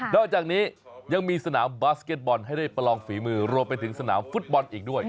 อกจากนี้ยังมีสนามบาสเก็ตบอลให้ได้ประลองฝีมือรวมไปถึงสนามฟุตบอลอีกด้วย